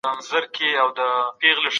د سولي لپاره نړیوال هوډ ډیر مهم دی.